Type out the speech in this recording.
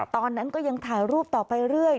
ตอนนั้นก็ยังถ่ายรูปต่อไปเรื่อย